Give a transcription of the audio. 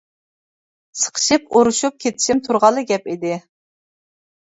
سىقىشىپ ئورۇشۇپ كېتىشىم تۇرغانلا گەپ ئىدى.